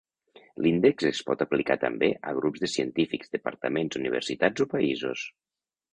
L'índex es pot aplicar també a grups de científics, departaments, universitats o països.